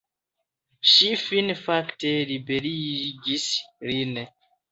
Ŝi fine fakte liberigis lin.